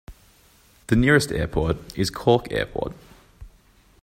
The nearest airport is Cork Airport.